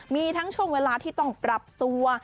มีทั้งช่วงเวลาที่ต้องปรับตัว